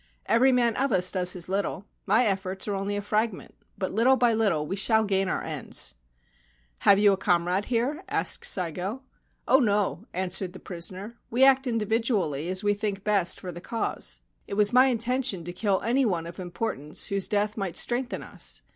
' Every man of us does his little. My efforts are only a fragment ; but little by little we shall gain our ends.' ' Have you a comrade here ?' asked Saigo. * Oh, no/ answered the prisoner. { We act individually as we think best for the cause. It was my intention to kill any one of importance whose death might strengthen us.